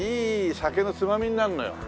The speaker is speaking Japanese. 酒のつまみになるのよ。